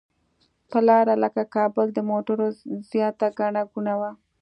پر لاره لکه کابل د موټرو زیاته ګڼه ګوڼه وه.